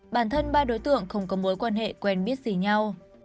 bản thân ba đối tượng không có mối quan hệ quen biết gì nhau